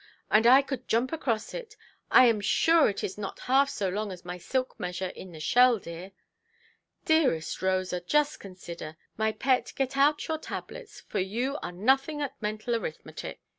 And I could jump across it! I am sure it is not half so long as my silk measure in the shell, dear"! "Dearest Rosa, just consider: my pet, get out your tablets, for you are nothing at mental arithmetic".